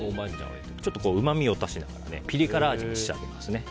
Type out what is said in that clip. うまみを足しながらピリ辛味に仕上げますね。